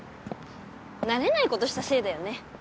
慣れない事したせいだよね。